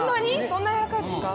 そんな軟らかいですか？